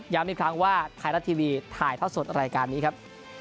อีกครั้งว่าไทยรัฐทีวีถ่ายทอดสดรายการนี้ครับ